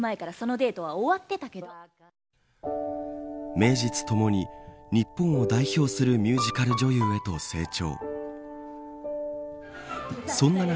名実ともに日本を代表するミュージカル女優へと成長。